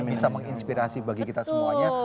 bisa menginspirasi bagi kita semuanya